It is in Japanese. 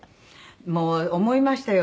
もう思いましたよ。